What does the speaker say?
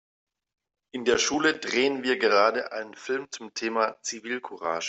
In der Schule drehen wir gerade einen Film zum Thema Zivilcourage.